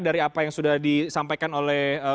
dari apa yang sudah disampaikan oleh